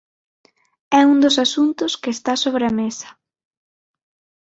É un dos asuntos que está sobre a mesa.